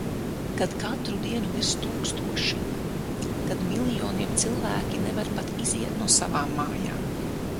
Kad katru dienu mirst tūkstoši. Kad miljoniem cilvēki nevar pat iziet no savām mājām.